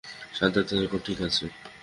শান্ত থাকো - ঠিক আছে?